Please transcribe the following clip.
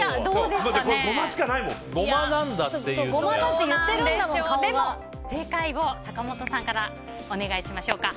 では、正解を坂本さんからお願いしましょうか。